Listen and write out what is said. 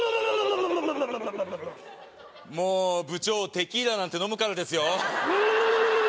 もう部長テキーラなんて飲むからですよ